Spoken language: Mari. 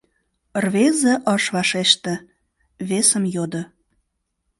Рвезе ыш вашеште, весым йодо: